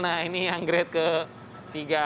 nah ini yang grade ketiga